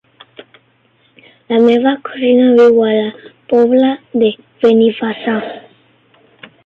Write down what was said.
La meva cosina viu a la Pobla de Benifassà.